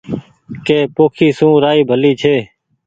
ڪي پوکي سون رآئي ڀلي ڇي